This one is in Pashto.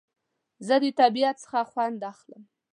زه د طبیعت څخه خوند اخلم